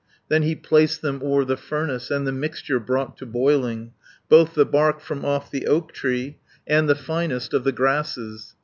Then he placed them o'er the furnace, And the mixture brought to boiling; Both the bark from off the oak tree, And the finest of the grasses.